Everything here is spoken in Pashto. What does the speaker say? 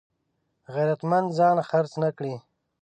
غیرتمند ځان خرڅ نه کړي